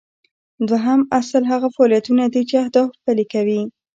دوهم اصل هغه فعالیتونه دي چې اهداف پلي کوي.